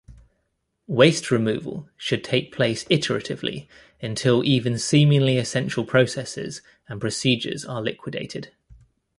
Waste-removal should take place iteratively until even seemingly essential processes and procedures are liquidated.